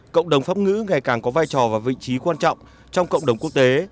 cộng đồng pháp ngữ ngày càng có vai trò và vị trí quan trọng trong cộng đồng quốc tế